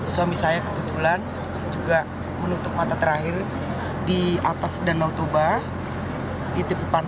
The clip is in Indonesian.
kami dari relawan itu bergerak dengan hati nurani